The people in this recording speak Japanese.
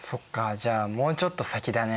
じゃあもうちょっと先だね。